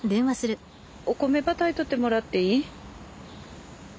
お米ば炊いとってもらっていい？